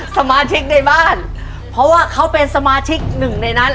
สมาชิกในบ้านเพราะว่าเขาเป็นสมาชิกหนึ่งในนั้น